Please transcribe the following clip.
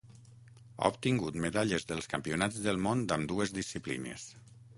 Ha obtingut medalles dels campionats del món d'ambdues disciplines.